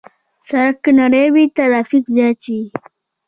سړک که نری وي، ترافیک زیات وي.